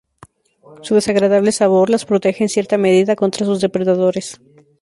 Su desagradable sabor las protege en cierta medida contra sus depredadores.